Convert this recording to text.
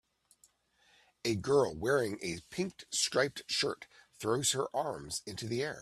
A girl wearing a pink striped shirt throws her arms into the air